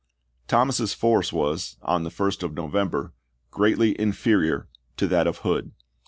Thomas's force was, on the 1st of November, greatly i^ of inferior to that of Hood.